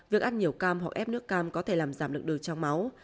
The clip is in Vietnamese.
việc ăn nhiều cam hoặc ép nước cam có thể làm giảm lượng đường trong máu